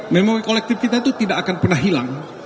memori kolektif kita itu tidak akan pernah hilang